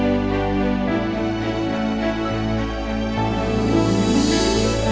oke kok sendirian sih